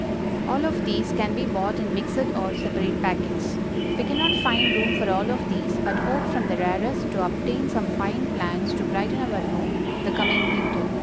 All of these can be bought in mixed or separate packets. We cannot find room for all of these, but hope from the rarest to obtain some fine plants to brighten our room the coming winter.